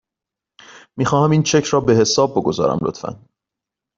میخواهم این چک را به حساب بگذارم، لطفاً.